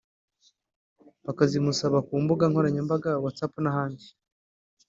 bakazimusaba ku mbuga nkoranyambaga whatsapp n’ahandi